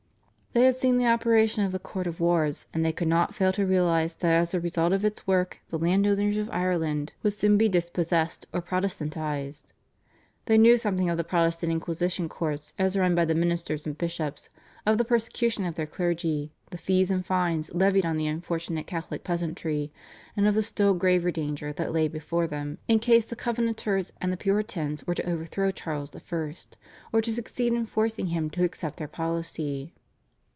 They had seen the operation of the Court of Wards, and they could not fail to realise that as a result of its work the landowners of Ireland would soon be dispossessed or Protestantised. They knew something of the Protestant Inquisition courts as run by the ministers and bishops, of the persecution of their clergy, the fees and fines levied on the unfortunate Catholic peasantry, and of the still graver danger that lay before them in case the Covenanters and the Puritans were to overthrow Charles I., or to succeed in forcing him to accept their policy.